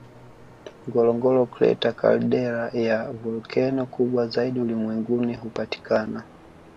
Ngorongoro Crater caldera ya volkeno kubwa zaidi ulimwenguni hupatikana